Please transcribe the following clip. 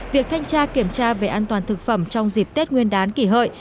việc thanh tra kiểm tra về an toàn thực phẩm trong dịp tết nguyên đán kỷ hợi